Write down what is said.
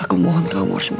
aku mohon kamu harus